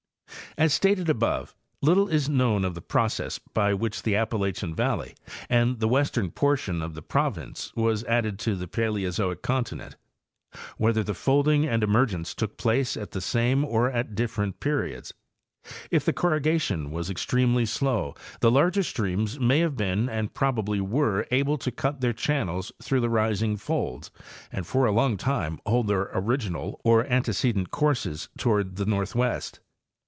As stated above, little is known of the process by which the Appalachian valley and the western portion of the province was added to the Paleozoic continent—whether the folding and emergence took place at the same or at different periods. If the corrugation was extremely slow the larger streams may have been and probably were able to cut their channels through the rising folds and for a long time hold their original or antecedent courses toward the northwest.